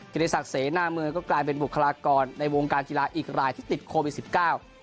กิจศักดิ์เสนาเมืองก็กลายเป็นบุคลากรในวงการกีฬาอีกรายที่ติดโควิดสิบเก้า